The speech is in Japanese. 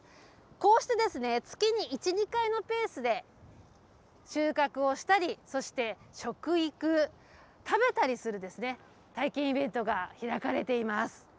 こうして月に１、２回のペースで収穫をしたり、そして食育、食べたりする体験イベントが開かれています。